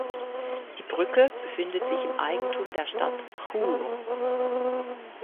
Die Brücke befindet sich im Eigentum der Stadt Chur.